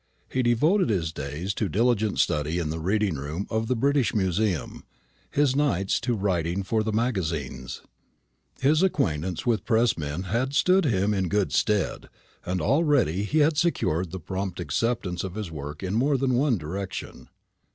He devoted his days to diligent study in the reading room of the British Museum, his nights to writing for the magazines. His acquaintance with press men had stood him in good stead; and already he had secured the prompt acceptance of his work in more than one direction.